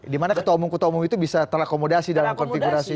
dimana ketomong ketomong itu bisa terakomodasi dalam konfigurasi itu